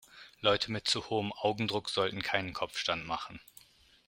Leute mit zu hohem Augendruck sollten keinen Kopfstand machen.